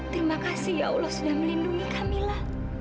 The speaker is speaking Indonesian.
terima kasih ya allah sudah melindungi kamila